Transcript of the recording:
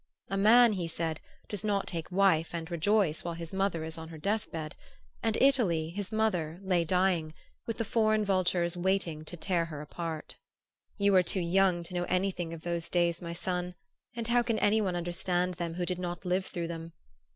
A man, he said, does not take wife and rejoice while his mother is on her death bed; and Italy, his mother, lay dying, with the foreign vultures waiting to tear her apart. You are too young to know anything of those days, my son; and how can any one understand them who did not live through them?